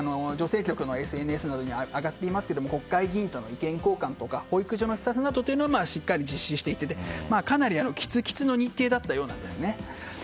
今回、女性局のＳＮＳなどに上がっていますが国会議員との意見交換とか保育所の視察などはしっかり実施していて、かなりきつきつの日程だったようです。